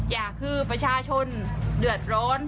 อย่างคือประชาชนเดือดร้อน